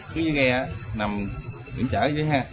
xuống dưới ghe nằm điểm chở dưới